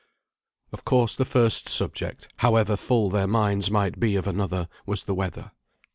Of course, the first subject, however full their minds might be of another, was the weather.